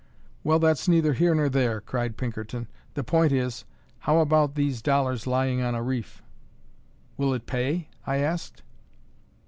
"Well, that's neither here nor there," cried Pinkerton. "The point is, how about these dollars lying on a reef?" "Will it pay?" I asked.